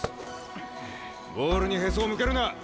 ボールにへそを向けるな。